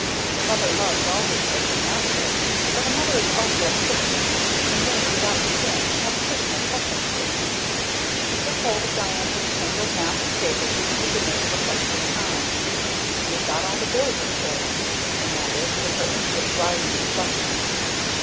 A mother loves all her children, naturally; but a mother is also a person and may, without sin, have personal preferences. She took hold of Diantha's tangled mass of papers with the eagerness of a questing hound. "You've got all the bills, of course," she demanded, with her anxious rising inflection.